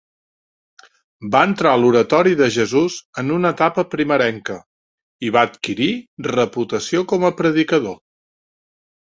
Va entrar a l'Oratori de Jesús en una etapa primerenca i va adquirir reputació com a predicador.